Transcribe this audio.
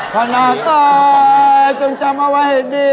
พนักอายจงจำเอาไว้ให้ดี